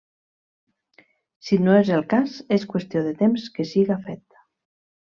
Si no és el cas, és qüestió de temps que siga fet.